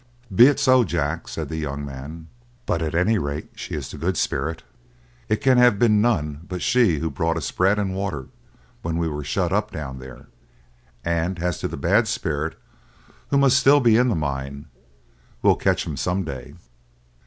"Be it so, Jack," said the young man; "but at any rate she is the good spirit. It can have been none but she who brought us bread and water when we were shut up down there; and as to the bad spirit, who must still be in the mine, we'll catch him some day."